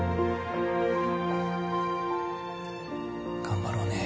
頑張ろうね。